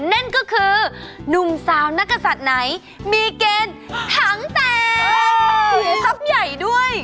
นั่นก็คือหนุ่มสาวนักศัตริย์ไหนมีเกณฑ์ถังแตกเสียทรัพย์ใหญ่ด้วย